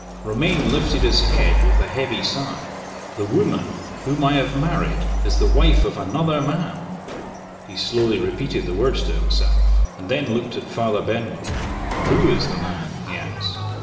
Romayne lifted his head, with a heavy sigh. "The woman whom I have married is the wife of another man." He slowly repeated the words to himself and then looked at Father Benwell. "Who is the man?" he asked.